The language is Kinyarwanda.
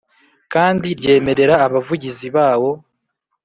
kandi ryemera Abavugizi bawo.